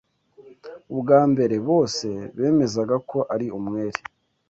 Ubwa mbere, bose bemezaga ko ari umwere.